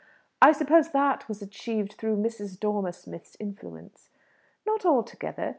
"I suppose that was achieved through Mrs. Dormer Smith's influence." "Not altogether.